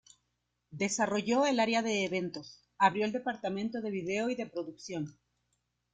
Desarrolló el área de eventos, abrió el departamento de video y de producción.